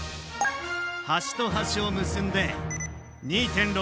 端と端を結んで２．６９ｍ！